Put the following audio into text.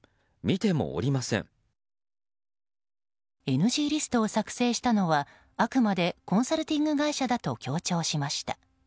ＮＧリストを作成したのはあくまでコンサルティング会社だと強調しました。